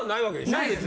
・ないですね！